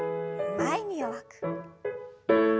前に弱く。